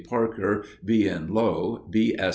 Parker, B. N. Lowe, B. S.